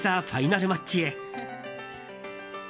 ファイナルマッチへ。